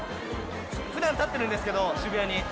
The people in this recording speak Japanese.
ふだん立ってるんですけど、渋谷に。